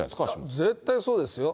絶対そうですよ。